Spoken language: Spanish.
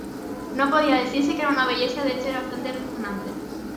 No podía decirse que era una belleza, de hecho era bastante repugnante.